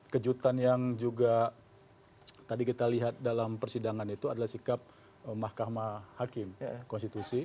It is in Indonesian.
kejutan yang juga tadi kita lihat dalam persidangan itu adalah sikap mahkamah hakim konstitusi